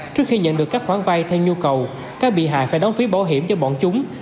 trước khi nhận được các khoản vay theo nhu cầu các bị hại phải đóng phí bảo hiểm cho bọn chúng